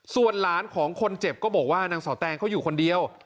ส่วนหลานของคนเจ็บก็บอกว่านางสาวแตงเขาอยู่คนเดียว